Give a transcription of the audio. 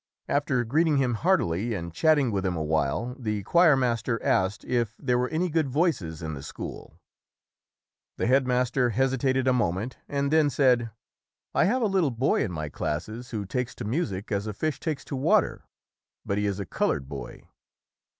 After greeting him heartily and chatting with him a while, the choir master asked if there were any good voices in the school. The headmaster hesitated a moment and then said, "I have a little boy in my classes who takes to music as a fish takes to water, but he is a colored boy".